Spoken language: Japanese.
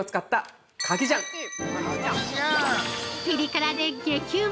ピリ辛で激うま！